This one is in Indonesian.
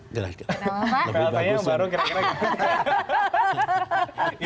plt nya yang baru kira kira ganti